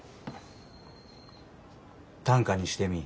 短歌にしてみ。